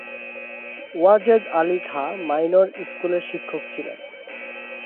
Wazed Ali Khan minor স্কুলের শিক্ষক ছিলেন।